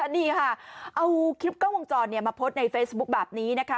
นี่ค่ะเอาคลิปกล้องวงจรมาโพสต์ในเฟซบุ๊คแบบนี้นะคะ